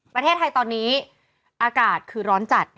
ประเทศไทยตอนนี้อากาศคือร้อนจัด